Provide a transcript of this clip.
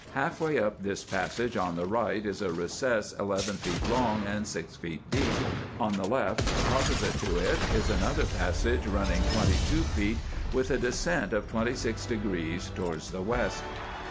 Half way up this passage on the right is a recess eleven feet long and six feet deep. On the left, opposite to it, is another passage, running twenty two feet with a descent of 26° towards the west.